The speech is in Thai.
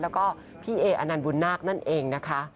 แล้วก็พี่เออนันต์บุญนาคนั่นเองนะคะ